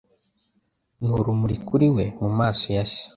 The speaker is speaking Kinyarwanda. N'urumuri kuri we mumaso ya se!